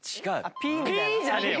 「ピー」じゃねえよ。